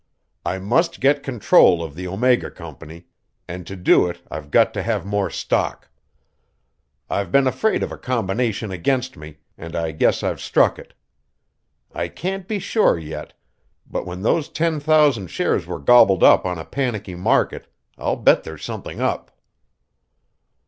I must get control of the Omega Company, and to do it I've got to have more stock. I've been afraid of a combination against me, and I guess I've struck it. I can't be sure yet, but when those ten thousand shares were gobbled up on a panicky market, I'll bet there's something up."